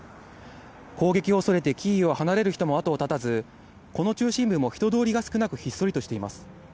攻撃を恐れて、キーウを離れる人も後を絶たず、この中心部も人通りが少なく、ひっそりとしています。